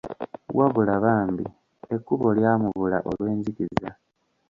Wabula bambi ekkubo lya mubula olw'enzikiza.